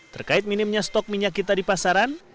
terkait minimnya stok minyak kita di pasaran